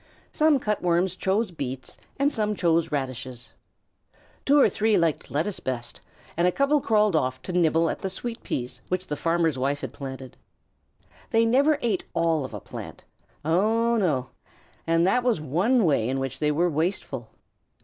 Some Cut Worms chose beets and some chose radishes. Two or three liked lettuce best, and a couple crawled off to nibble at the sweet peas which the farmer's wife had planted. They never ate all of a plant. Ah, no! And that was one way in which they were wasteful.